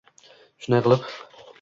Shunday qilib...